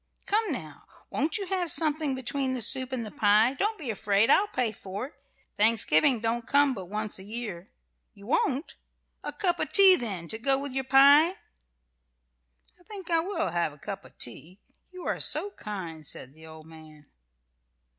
"Come, now, won't you have something between the soup and the pie? Don't be afraid: I'll pay for it. Thanksgiving don't come but once a year. You won't? A cup of tea, then, to go with your pie?" "I think I will have a cup of tea; you are so kind," said the old man.